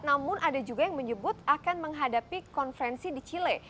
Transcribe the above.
namun ada juga yang menyebut akan menghadapi konferensi di chile